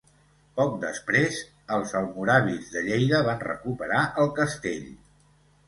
Poc després, els almoràvits de Lleida van recuperar el castell.